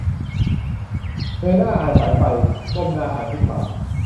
"เงยหน้าอายสายไฟ ก้มหน้าอายฟุตบาท"